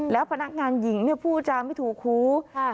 แล้วพนักงานหญิงเนี่ยพูดจะไม่ถูกครูค่ะ